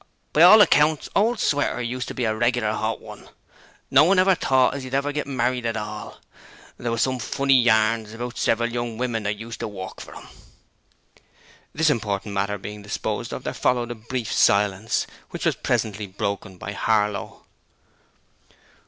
By all accounts, ole Sweater used to be a regler 'ot un: no one never thought as he'd ever git married at all: there was some funny yarns about several young women what used to work for him.' This important matter being disposed of, there followed a brief silence, which was presently broken by Harlow.